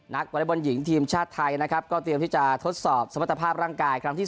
วอเล็กบอลหญิงทีมชาติไทยนะครับก็เตรียมที่จะทดสอบสมรรถภาพร่างกายครั้งที่๓